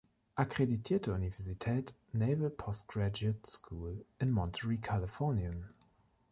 Akkreditierte Universität Naval Postgraduate School in Monterey, Kalifornien.